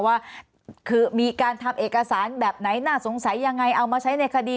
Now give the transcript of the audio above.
ว่าคือมีการทำเอกสารแบบไหนน่าสงสัยยังไงเอามาใช้ในคดี